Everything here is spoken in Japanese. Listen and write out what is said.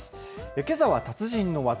けさは達人のワザ。